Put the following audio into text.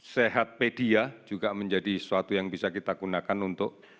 sehatpedia juga menjadi sesuatu yang bisa kita gunakan untuk